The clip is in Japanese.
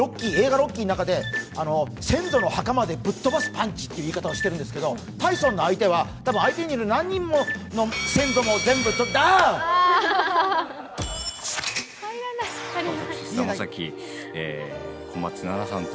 「ロッキー」の中で先祖の墓までぶっ飛ばすパンチという言い方をしてるんですがタイソンの相手は、多分相手にある何人もの先祖にああっ。